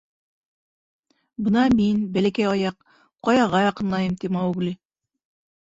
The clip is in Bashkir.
— Бына мин, Бәләкәй Аяҡ, ҡаяға яҡынлайым, — ти Маугли.